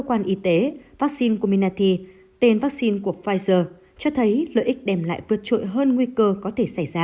quan y tế vaccine community cho thấy lợi ích đem lại vượt trội hơn nguy cơ có thể xảy ra